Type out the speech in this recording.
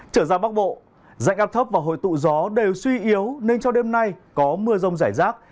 trở ra bắc bộ dạnh áp thấp và hồi tụ gió đều suy yếu nên cho đêm nay có mưa rông rải rác